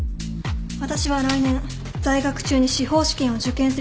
私は来年在学中に司法試験を受験する予定です。